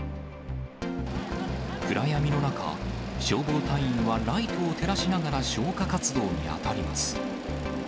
暗闇の中、消防隊員はライトを照らしながら消火活動に当たります。